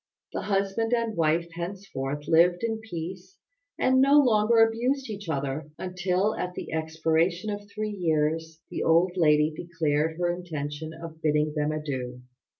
The husband and wife henceforth lived in peace, and no longer abused each other, until at the expiration of three years the old lady declared her intention of bidding them adieu.